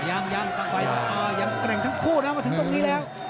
ยังยังแกร่งทั้งคู่นะมาถึงตรงนี้แล้ว